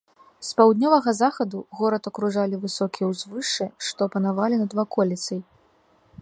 З паўднёвага захаду горад акружалі высокія ўзвышшы, што панавалі над ваколіцай.